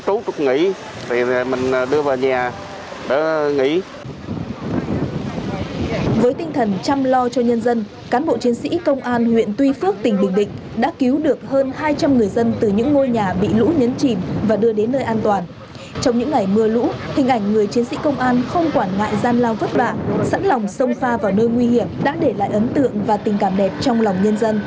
trong đêm ngày ba mươi tháng một mươi một hàng chục cán bộ chiến sĩ công an huyện tuy phước tỉnh bình định đã không ngại khó ngại khổ thì sẵn sàng đi bất cứ điều gì để giúp bà con